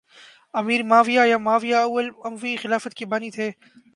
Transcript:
امیر معاویہ یا معاویہ اول اموی خلافت کے بانی تھے